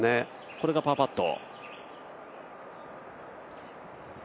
これがパーパット。